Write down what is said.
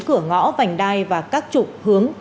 cửa ngõ vành đai và các trục hướng